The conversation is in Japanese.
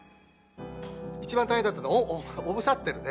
いちばん大変だったのはおぶさってるね。